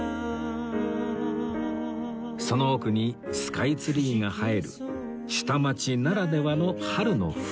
その奥にスカイツリーが映える下町ならではの春の風景